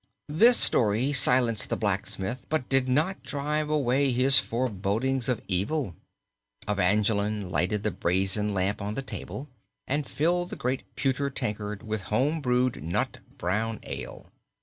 This story silenced the blacksmith but did not drive away his forebodings of evil. Evangeline lighted the brazen lamp on the table and filled the great pewter tankard with home brewed nut brown ale.